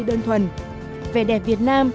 đơn thuần về đèn việt nam